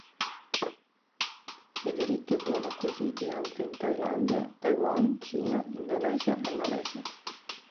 I diritti furono acquisiti anche in Thailandia, Taiwan, Cina, Indonesia e Malaysia.